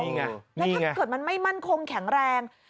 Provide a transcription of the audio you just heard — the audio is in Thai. แล้วถ้าเกิดมันไม่มั่นคงแข็งแรง